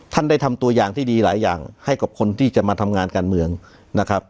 ได้ทำตัวอย่างที่ดีหลายอย่างให้กับคนที่จะมาทำงานการเมืองนะครับ